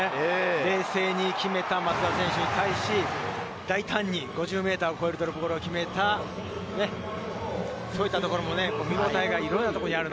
冷静に決めた松田選手に対し、大胆に５０ｍを超えるドロップゴールを決めた田村選手、見応えがいろいろなところにある。